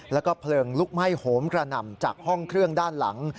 แล้วก็เพลิงลุกไหม้โหมกระหน่ำจากห้องเครื่องด้านหลัง